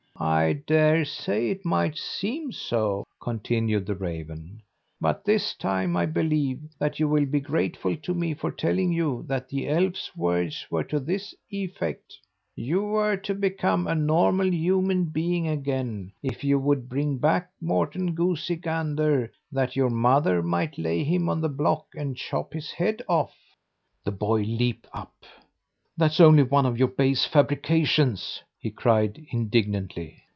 "I dare say it might seem so," continued the raven, "but this time I believe that you will be grateful to me for telling you that the elf's words were to this effect: You were to become a normal human being again if you would bring back Morten Goosey Gander that your mother might lay him on the block and chop his head off." The boy leaped up. "That's only one of your base fabrications," he cried indignantly.